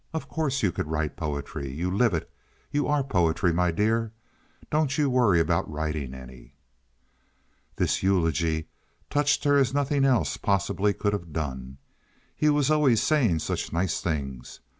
Of course you could write poetry. You live it. You are poetry, my dear. Don't you worry about writing any." This eulogy touched her as nothing else possibly could have done. He was always saying such nice things.